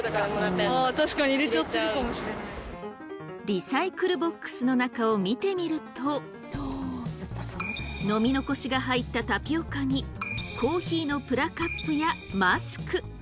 リサイクルボックスの中を見てみると飲み残しが入ったタピオカにコーヒーのプラカップやマスク。